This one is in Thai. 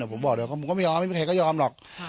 ผมบอกเดี๋ยวผมก็ไม่ยอมไม่มีใครก็ยอมหรอก